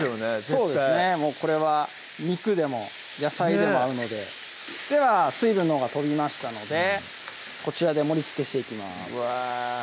絶対これは肉でも野菜でも合うのででは水分のほうが飛びましたのでこちらで盛りつけしていきますうわ